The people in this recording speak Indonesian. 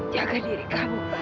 jaga diri kamu